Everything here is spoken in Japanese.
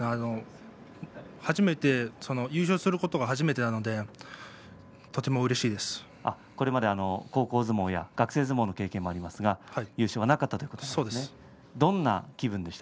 優勝することは初めてなのでこれまで高校相撲や学生相撲の経験もありますが優勝はなかったということですね。